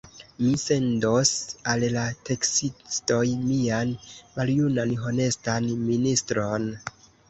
Mi sendos al la teksistoj mian maljunan honestan ministron!